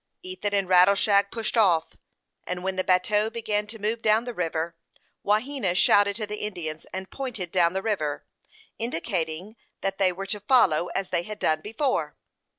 Ethan and Rattleshag pushed off, and when the bateau began to move down the river, Wahena shouted to the Indians, and pointed down the river, indicating that they were to follow, as they had done before.